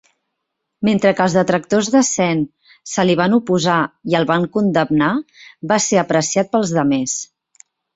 Mentre que els detractors de Sen se li van oposar i el van condemnar, va ser apreciat pels demés.